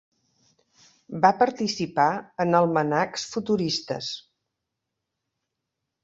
Va participar en almanacs futuristes.